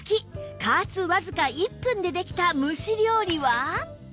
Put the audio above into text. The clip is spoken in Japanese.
加圧わずか１分でできた蒸し料理は？